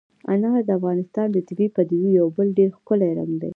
انار د افغانستان د طبیعي پدیدو یو بل ډېر ښکلی رنګ دی.